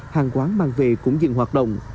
hàng quán mang về cũng dừng hoạt động